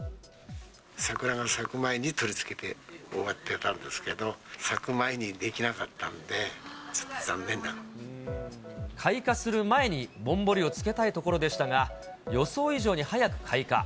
桜が咲く前に取り付けて、終わっていたかったんですけど、咲く前にできなかったんで、開花する前にぼんぼりをつけたいところでしたが、予想以上に早く開花。